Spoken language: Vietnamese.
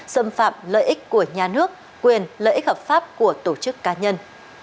xâm phạm lợi ích của nhà nước quyền lợi ích hợp pháp của tổ chức cá nhân